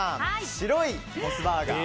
白いモスバーガー